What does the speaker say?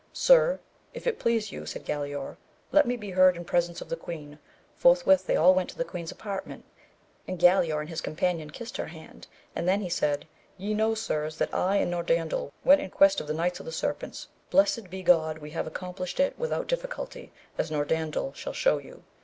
Sir if it please you, said Galaor, let me be heard in presence of the queen, forthwith they all went to the queen's apartment, and Galaor and his companion kissed her hand, and then he said, ye know sirs that I and No randel went in quest of the Knights of the Serpents, blessed be God we have accomplished it without diffi culty, as Norandel shall show you.